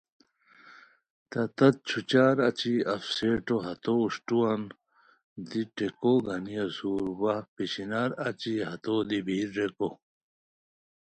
تہ تت چھوچار اچی اف سیٹو ہتو اوشٹووان دی ٹھیکو گنی اسور وا پیشینار اچی ہتو دی بِیر ریکو